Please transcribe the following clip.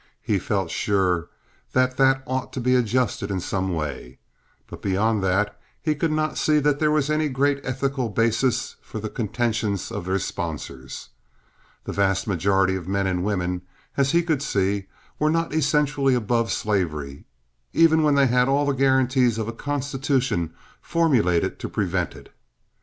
He felt sure that that ought to be adjusted in some way; but beyond that he could not see that there was any great ethical basis for the contentions of their sponsors. The vast majority of men and women, as he could see, were not essentially above slavery, even when they had all the guarantees of a constitution formulated to prevent it.